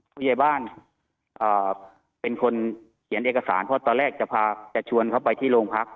ผู้ใหญ่บ้านเป็นคนเขียนเอกสารเพราะตอนแรกจะพาจะชวนเขาไปที่โรงพัก